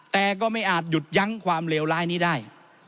แต่ก็ไม่อาจหยุดยั้งความเลวร้ายนี้ได้